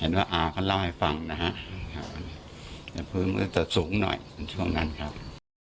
เห็นว่าอาวุธก็เล่าให้ฟังแต่พื้นมือจะสูงหน่อยจนช่วงนั้นครับ